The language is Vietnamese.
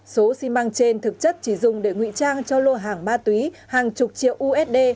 số xi măng trên thực chất chỉ dùng để ngụy trang cho lô hàng ma túy hàng chục triệu usd